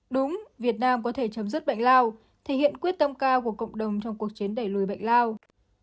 đúng việt nam có thể chấm dứt bệnh lao thể hiện quyết tâm cao của cộng đồng trong cuộc chiến đẩy lùi bệnh lao